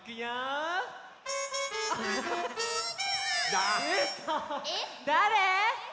だれ？